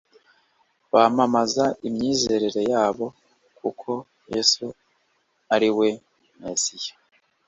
bamamaza imyizerere yabo y'uko yesu ari we mesiya